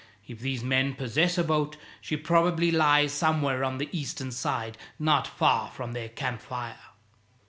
If these men possess a boat, she probably lies somewhere on the eastern side, not far from their camp fire.